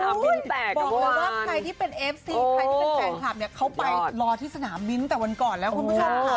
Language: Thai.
บอกเลยว่าใครที่เป็นเอฟซีใครที่เป็นแฟนคลับเนี่ยเขาไปรอที่สนามบินแต่วันก่อนแล้วคุณผู้ชมค่ะ